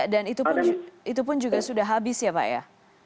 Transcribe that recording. dan itu pun sudah habis ya pak ya